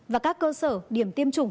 và các cơ sở điểm tiêm chủng